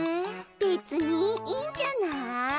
べつにいいんじゃない。